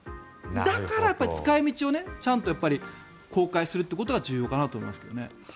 だから使い道をちゃんと公開することが重要だと思いますけどね。